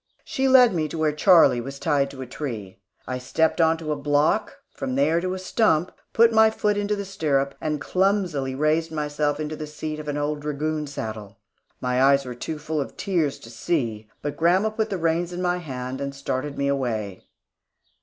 She led me to where Charlie was tied to a tree. I stepped on to a block, from there to a stump, put my foot into the stirrup, and clumsily raised myself into the seat of an old dragoon saddle. My eyes were too full of tears to see, but grandma put the reins in my hand and started me away.